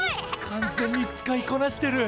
完全に使いこなしてる！